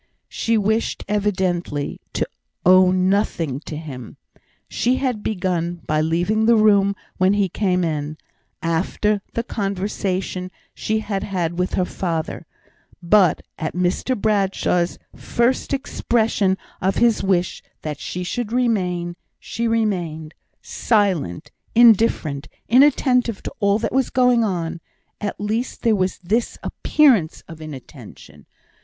She wished evidently to owe nothing to him. She had begun by leaving the room when he came in, after the conversation she had had with her father; but at Mr Bradshaw's first expression of his wish that she should remain, she remained silent, indifferent, inattentive to all that was going on; at least there was this appearance of inattention.